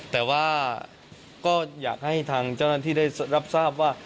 แต่ว่าก็อยากให้ทางเจ้าหน้าที่ได้รับทราบว่า